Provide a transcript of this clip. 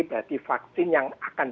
berarti vaksin yang akan